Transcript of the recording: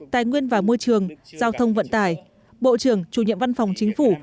tài nguyên và môi trường giao thông vận tải bộ trưởng chủ nhiệm văn phòng chính phủ